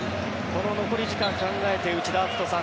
この残り時間を考えて内田篤人さん